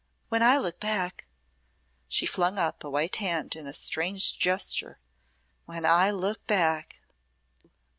When I look back!" she flung up a white hand in a strange gesture "When I look back!"